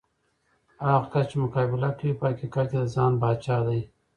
هغه کس چې مقابله کوي، په حقیقت کې د ځان پاچا دی.